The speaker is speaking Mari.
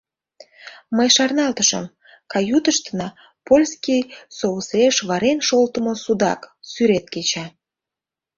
Мый шарналтышым — каютыштына «Польский соусеш варен шолтымо судак» сӱрет кеча.